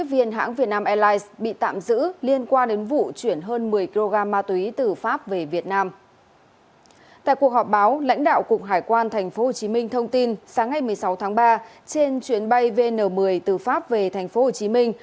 cảm ơn các bạn đã theo dõi